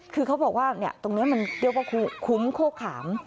คือเขาบอกว่าตรงนี้มันเรียกว่าคุ้มโคขาม